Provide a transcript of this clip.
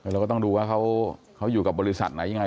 เราก็ต้องดูว่าเขาอยู่กับบริษัทไหนยังไง